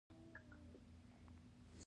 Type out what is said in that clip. تر دې خو لا پنځوس کاله مخکې ښه وو.